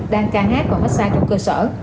đang ca hát và mát xa trong cơ sở